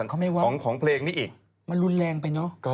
ก็ถือว่ารุนแรงไปเนอะ